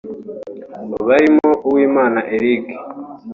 barimo Uwimana Eric